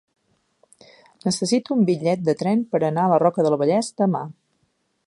Necessito un bitllet de tren per anar a la Roca del Vallès demà.